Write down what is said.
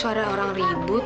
emang ada makanan di sini mbak